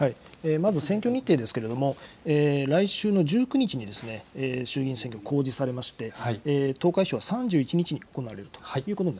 まず、選挙日程ですけれども、来週の１９日に衆議院選挙、公示されまして、投開票は３１日に行